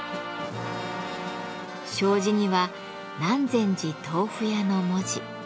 障子には「南禅寺豆腐屋」の文字。